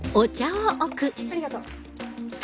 ありがとう。